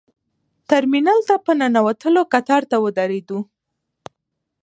ترمینل ته په ننوتلو کتار ته ودرېدو.